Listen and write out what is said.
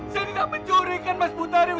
saya tidak mencuri ikan mas bu tarik